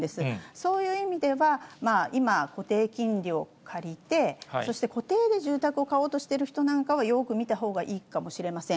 そういう意味では、今、固定金利を借りて、そして固定で住宅を買おうととしている人なんかは、よーく見たほうがいいかもしれません。